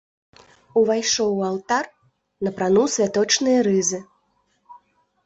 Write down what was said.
Увайшоў у алтар, напрануў святочныя рызы.